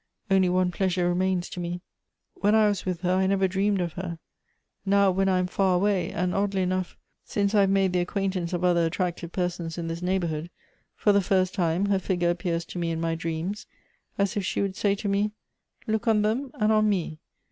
Only one pleasure remains to me. When I was with her I never dreamed of her ; now when I am for away, and, oddly enough, since I have made the acquaintance of other attractive persons in this neighborhood, for the first time, her figure appears to me in my dreams, as if she would say to me, ' Lo<»k on them, and on me.